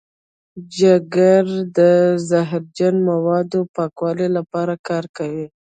جگر د زهرجن موادو پاکولو لپاره کار کوي.